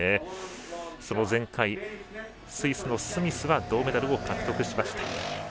前回、スイスのスミスは銅メダルを獲得しました。